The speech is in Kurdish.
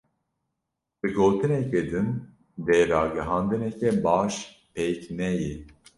Bi gotineke din; dê ragihandineke baş pêk neyê.